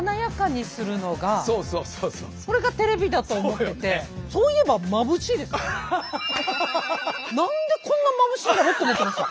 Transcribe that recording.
テレビって何でこんなまぶしいんだろうって思ってました。